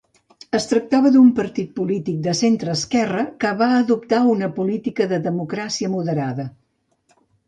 Es tractava d'un partit polític de centreesquerra, que va adoptar una política de democràcia moderada.